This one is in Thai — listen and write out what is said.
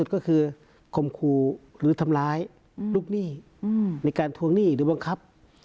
ก็คือคมครูหรือทำร้ายลูกหนี้ในการทวงหนี้หรือบังคับ